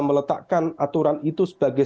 meletakkan aturan itu sebagai